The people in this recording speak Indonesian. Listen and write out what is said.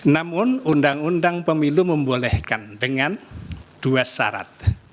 namun undang undang pemilu membolehkan dengan dua syarat